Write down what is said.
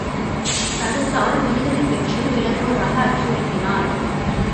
தடுத்தால் விடுதலை பெற்று விலகுவதாக அச்சுறுத்தினாள்.